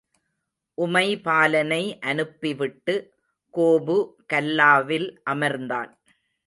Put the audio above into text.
உமைபாலனை அனுப்பிவிட்டு, கோபு கல்லாவில் அமர்ந்தான்.